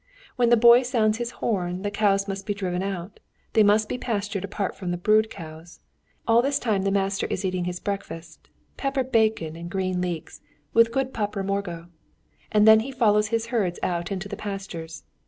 When the boy sounds his horn the cows must be driven out; they must be pastured apart from the brood cows. And all this time the master is eating his breakfast: peppered bacon and green leeks with good papramorgó, and then he follows his herds out into the pastures.